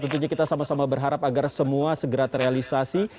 tentunya kita sama sama berharap agar semua segera terrealisasi